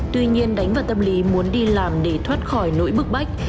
tuy nhiên đánh vào tâm lý muốn đi làm để thoát khỏi nỗi bức bách